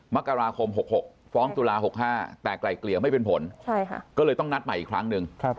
มกราคม๖๖ฟ้องตุลา๖๕แต่ไกลเกลี่ยไม่เป็นผลก็เลยต้องนัดใหม่อีกครั้งหนึ่ง